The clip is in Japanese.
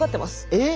えっ！